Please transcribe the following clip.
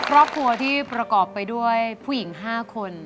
ครอบครัวที่ประกอบไปด้วยผู้หญิง๕คน